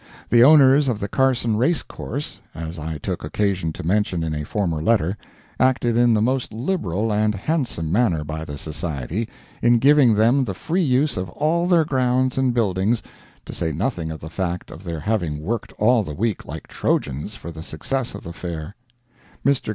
The owners of the Carson Race Course, as I took occasion to mention in a former letter, acted in the most liberal and handsome manner by the Society, in giving them the free use of all their grounds and buildings, to say nothing of the fact of their having worked all the week like Trojans for the success of the Fair. Mr.